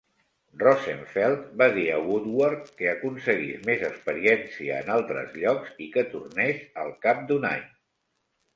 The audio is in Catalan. Rosenfeld va dir a Woodward que aconseguís més experiència en altres llocs i que tornés al cap d'un any.